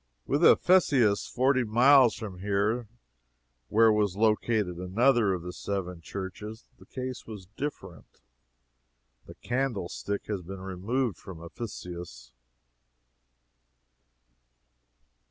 With Ephesus, forty miles from here, where was located another of the seven churches, the case was different. The "candlestick" has been removed from Ephesus.